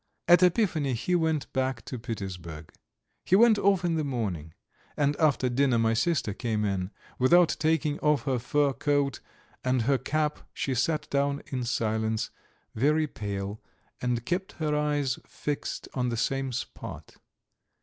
At Epiphany he went back to Petersburg. He went off in the morning, and after dinner my sister came in. Without taking off her fur coat and her cap she sat down in silence, very pale, and kept her eyes fixed on the same spot.